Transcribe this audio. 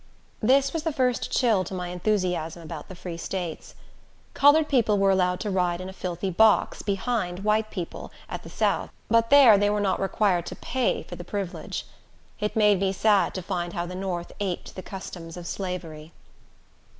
This was the first chill to my enthusiasm about the Free States. Colored people were allowed to ride in a filthy box, behind white people, at the south, but there they were not required to pay for the privilege. It made me sad to find how the north aped the customs of slavery.